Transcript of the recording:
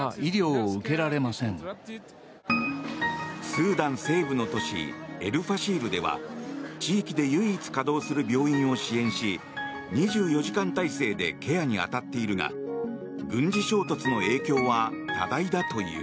スーダン西部の都市エル・ファシールでは地域で唯一稼働する病院を支援し２４時間態勢でケアに当たっているが軍事衝突の影響は多大だという。